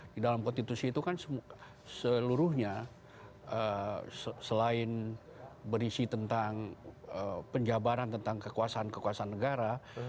di dalam konstitusi itu kan seluruhnya selain berisi tentang penjabaran tentang kekuasaan kekuasaan negara